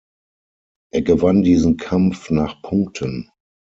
Er gewann diesen Kampf nach Punkten.